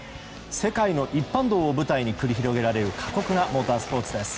世界の一般道を舞台に繰り広げられる過酷なモータースポーツです。